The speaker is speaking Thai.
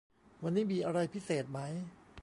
วันนี้มีอะไรพิเศษไหม